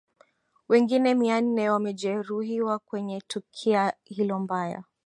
wengine mia nne wamejeruhiwa kwenye tukia hilo mbaya